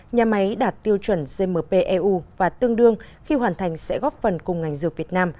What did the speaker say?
nhà máy đạt tiêu chuẩn gmp eu và tương đương khi hoàn thành sẽ góp phần cùng ngành dược việt nam